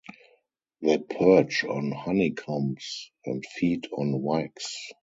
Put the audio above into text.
They perch on honeycombs and feed on wax.